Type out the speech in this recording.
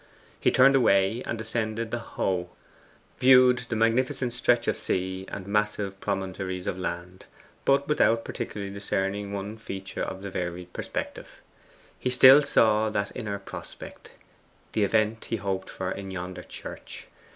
He turned away and ascended the Hoe, viewed the magnificent stretch of sea and massive promontories of land, but without particularly discerning one feature of the varied perspective. He still saw that inner prospect the event he hoped for in yonder church.